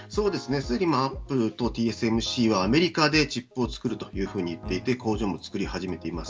すでにアップルとＴＳＭＣはアメリカでチップを作るといっていて工場も作り始めています。